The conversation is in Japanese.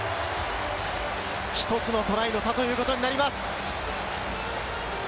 １つのトライの差ということになります。